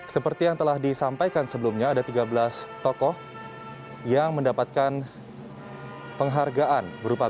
seperti yang telah disampaikan sebelumnya ada tiga belas tokoh yang mendapatkan penghargaan berupa